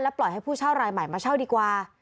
ปล่อยให้ผู้เช่ารายใหม่มาเช่าดีกว่า